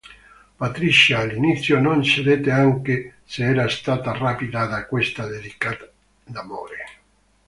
Patricia all'inizio non cedette anche se era stata "rapita" da questa dedica d'amore.